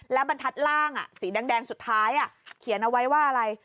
แล้วบรรทัดล่างสีแดงสุดท้ายเขียนเอาไว้ว่าอะไร